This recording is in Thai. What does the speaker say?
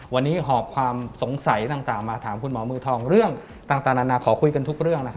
วันนี้หอบความสงสัยต่างมาถามคุณหมอมือทองเรื่องต่างนานาขอคุยกันทุกเรื่อง